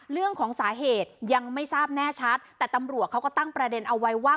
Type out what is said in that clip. เรื่องของสาเหตุยังไม่ทราบแน่ชัดแต่ตำรวจเขาก็ตั้งประเด็นเอาไว้ว่า